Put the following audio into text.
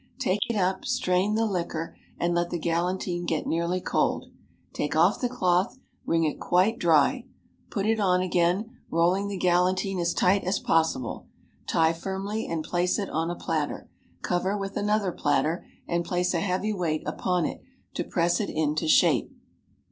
Take it up, strain the liquor, and let the galantine get nearly cold. Take off the cloth; wring it quite dry; put it on again, rolling the galantine as tight as possible; tie firmly, and place it on a platter; cover with another platter, and place a heavy weight upon it to press it into shape.